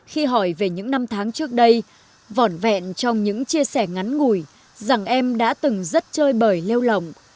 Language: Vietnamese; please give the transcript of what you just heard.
khi hỏi về những năm tháng trước đây vỏn vẹn trong những chia sẻ ngắn ngủi rằng em đã từng rất chơi bởi lêu lỏng